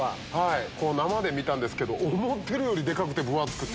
生で見たんですけど思ってるよりでかくて分厚くて。